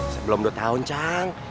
sebelum dua tahun cang